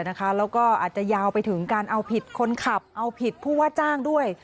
แล้วก็อาจจะยาวไปถึงการเอาผิดคนขับเอาผิดผู้ว่าจ้างด้วย